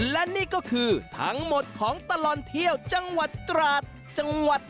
และนี่ก็คือทั้งหมดของตลอดเที่ยวจังหวัดตราดจังหวัด